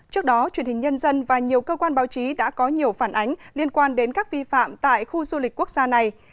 trước đó truyền hình nhân dân và nhiều cơ quan báo chí đã có nhiều phản ánh liên quan đến các vi phạm tại khu du lịch quốc gia này